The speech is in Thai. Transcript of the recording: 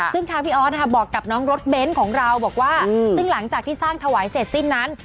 ซึ่งทางพี่ออสบอกกับน้องรถเบ้นของเราบอกว่าซึ่งหลังจากที่สร้างถวายเสร็จสิ้นนั้น